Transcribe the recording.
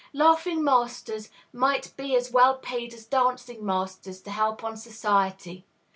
Laughing masters might be as well paid as dancing masters to help on society!